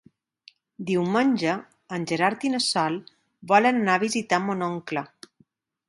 Diumenge en Gerard i na Sol volen anar a visitar mon oncle.